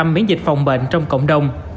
biến dịch phòng bệnh trong cộng đồng